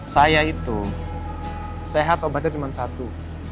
saya itu sehat obatnya cuma satu